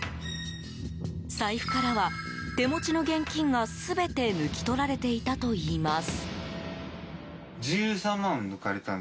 財布からは、手持ちの現金が全て抜き取られていたといいます。